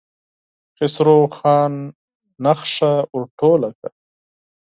خسرو خان نخشه ور ټوله کړه.